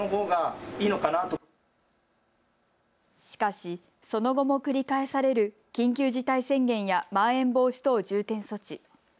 しかし、その後も繰り返される緊急事態宣言やまん延防止等重点措置。